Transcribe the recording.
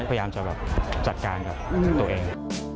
พยายามจะแบบจัดการกับตัวเอง